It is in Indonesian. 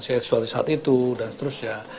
situasi saat itu dan seterusnya